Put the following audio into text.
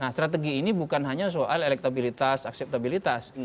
nah strategi ini bukan hanya soal elektabilitas akseptabilitas